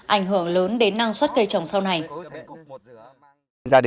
ảnh hưởng lớn đến năng suất cây trồng sau này